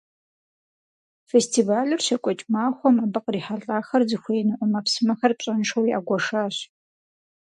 Фестивалыр щекӀуэкӀ махуэм, абы кърихьэлӀахэр зыхуеину Ӏэмэпсымэхэр пщӀэншэу ягуэшащ.